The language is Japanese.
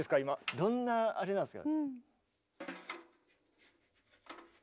どんなあれなんですか？